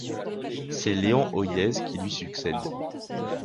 C'est Léon Hoyez qui lui succède.